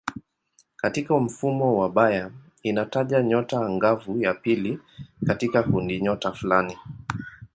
Katika mfumo wa Bayer inataja nyota angavu ya pili katika kundinyota fulani.